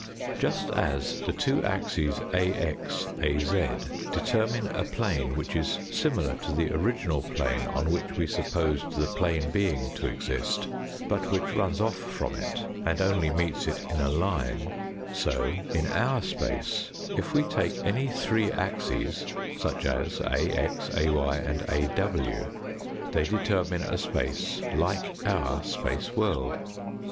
Just as the two axes, AX, AZ, determine a plane which is similar to the original plane on which we supposed the plane being to exist, but which runs off from it, and only meets it in a line ; so in our space if we take any three axes such as AX, AY, and AW, they determine a space like our space world.